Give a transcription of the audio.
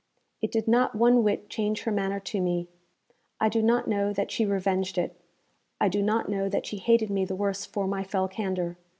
It did not one whit change her manner to me. I do not know that she revenged it. I do not know that she hated me the worse for my fell candour.